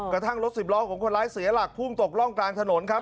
กระทั่งรถสิบล้อของคนร้ายเสียหลักพุ่งตกร่องกลางถนนครับ